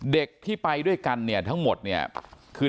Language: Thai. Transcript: เด็กที่ไปด้วยกันเนี่ยทั้งหมดเนี่ยคือ